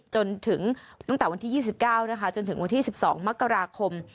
จนถึงตั้งแต่วันที่๒๙นะคะจนถึงวันที่๑๒มกราคม